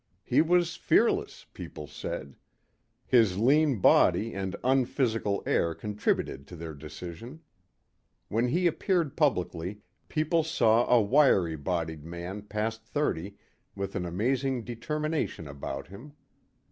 He was fearless, people said. His lean body and unphysical air contributed to their decision. When he appeared publicly people saw a wiry bodied man past thirty with an amazing determination about him.